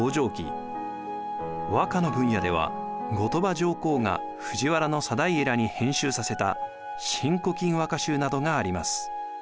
和歌の分野では後鳥羽上皇が藤原定家らに編集させた「新古今和歌集」などがあります。